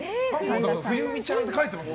冬美ちゃんって書いてます